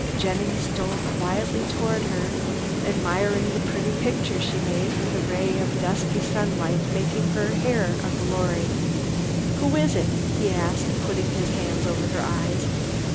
Jennings stole quietly towards her, admiring the pretty picture she made with a ray of dusky sunlight making glory of her hair. "Who is it?" he asked, putting his hands over her eyes.